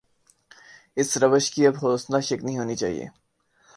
اس روش کی اب حوصلہ شکنی ہونی چاہیے۔